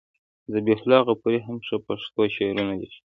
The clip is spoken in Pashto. ذبیح الله غفوري هم ښه پښتو شعرونه لیکي.